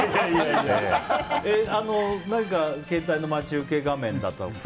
何か携帯の待ち受け画面だとか。